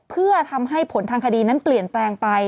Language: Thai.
เพื่อทำให้ผลทางคดีนั้นเปลี่ยนแปลงไป